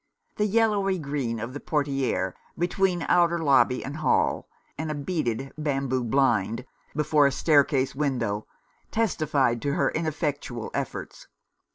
The yellowy green of a portiere, between outer lobby and hall, and a beaded bamboo blind before a staircase window, testified to her ineffectual efforts.